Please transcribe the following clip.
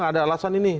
nggak ada alasan ini